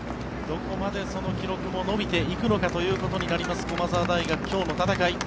どこまでその記録も伸びていくのかということになります駒澤大学、今日の戦い。